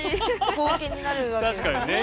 貢献になるわけですからね。